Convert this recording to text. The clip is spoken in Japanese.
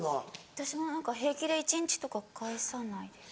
私は平気で一日とか返さないです。